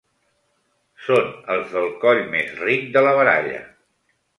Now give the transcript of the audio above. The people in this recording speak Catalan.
Són els del coll més ric de la baralla.